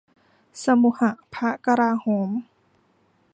สมุหพระกลาโหม